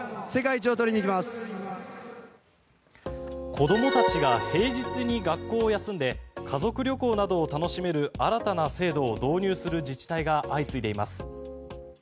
子どもたちが平日に学校を休んで家族旅行などを楽しめる新たな制度を導入する自治体が相次いでいます。